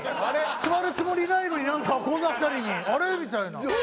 座るつもりないのになんかこの辺りにあれ？みたいな。